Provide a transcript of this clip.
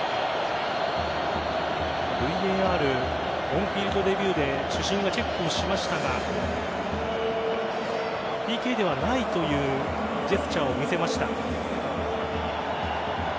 ＶＡＲオンフィールドレビューで主審がチェックをしましたがＰＫではないというジェスチャーを見せました。